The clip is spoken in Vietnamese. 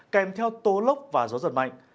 kèm theo tố lốc và gió giật mạnh